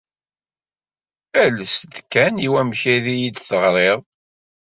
Ales-d kan i wamek ay iyi-d-teɣrid?